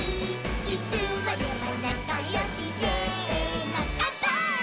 「いつまでもなかよしせーのかんぱーい！！」